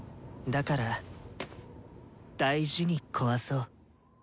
だから大事に壊そう。